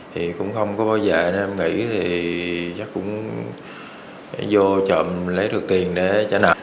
thì cũng không có bao giờ nên em nghĩ thì chắc cũng vô trộm lấy được tiền để trả nợ